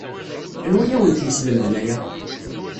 Anwa ay awent-yeslemden aya?